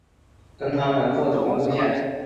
跟他们坐同路线